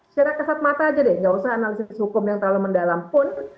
secara kesat mata aja deh nggak usah analisis hukum yang terlalu mendalam pun